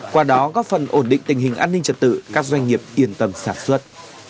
qua đó góp phần ổn định tình hình an ninh trật tự các doanh nghiệp yên tâm sản xuất